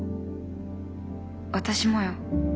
私もよ。